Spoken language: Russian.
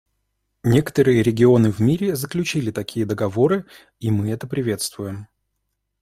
Некоторые регионы в мире заключили такие договоры, и мы это приветствуем.